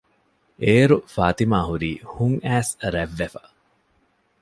އޭރު ފާތިމާ ހުރީ ހުންއައިސް ރަތްވެފަ